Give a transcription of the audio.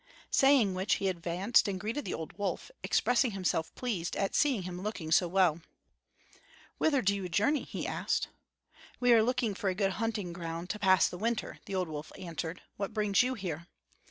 Saying which he advanced and greeted the old wolf, expressing himself pleased at seeing him looking so well. "Whither do you journey?" he asked. "We are looking for a good hunting ground to pass the winter," the old wolf answered. "What brings you here?"